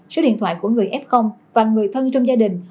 số điện thoại của người f và người thân trong gia đình